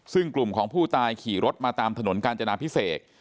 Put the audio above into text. ซึ่งกลุ่มของผู้ตายขี่รถมาตามถนนกาญจนาพิเศษ